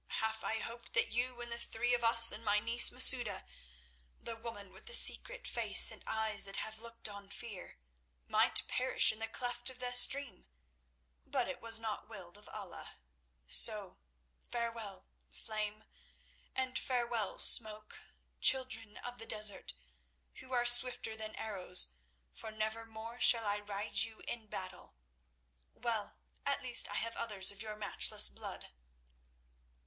Half I hoped that you and the three of us and my niece Masouda, the woman with the secret face and eyes that have looked on fear, might perish in the cleft of the stream; but it was not willed of Allah. So farewell, Flame, and farewell, Smoke, children of the desert, who are swifter than arrows, for never more shall I ride you in battle. Well, at least I have others of your matchless blood."